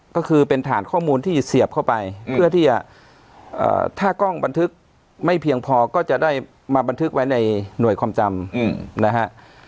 ก็คือเป็นฐานข้อมูลที่เสียบเข้าไปเพื่อที่จะถ้ากล้องบันทึกไม่เพียงพอก็จะได้มาบันทึกไว้ในหน่วยความจำนะฮะ